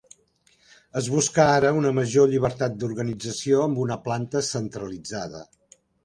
Es busca ara una major llibertat d'organització amb una planta centralitzada.